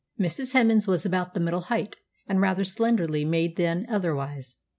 ] "Mrs. Hemans was about the middle height, and rather slenderly made than otherwise.